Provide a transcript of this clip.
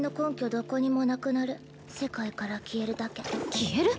どこにもなくなる世界から消えるだけ消える！？